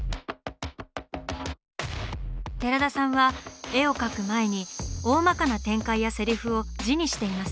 寺田さんは絵を描く前におおまかな展開やセリフを字にしています。